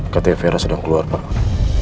katanya vera sedang keluar pak